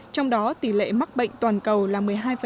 trong đó tỷ lệ mắc bệnh toàn cầu là một mươi hai